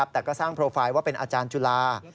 แต่ก็สร้างโปรไฟล์ว่าเป็นอาจารย์จุฬา